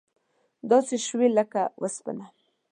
داسې شوي وې لکه وسپنه.